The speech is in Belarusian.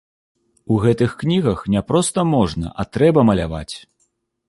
У гэтых кнігах не проста можна, а трэба маляваць.